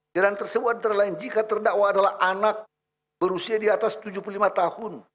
jalan tersebut antara lain jika terdakwa adalah anak berusia di atas tujuh puluh lima tahun